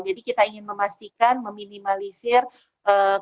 jadi kita ingin memastikan meminimalisir kemungkinan